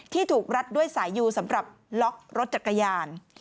ถูกรัดด้วยสายยูสำหรับล็อกรถจักรยาน